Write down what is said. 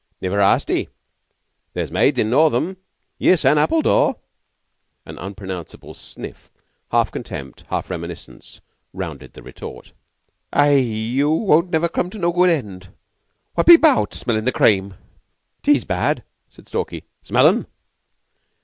"Niver asked 'ee. There's maids to Northam. Yiss an' Appledore." An unreproducible sniff, half contempt, half reminiscence, rounded the retort. "Aie! Yeou won't niver come to no good end. Whutt be 'baout, smellin' the cream?" "'Tees bad," said Stalky. "Zmell 'un."